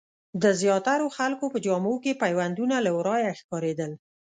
د زیاترو خلکو په جامو کې پیوندونه له ورايه ښکارېدل.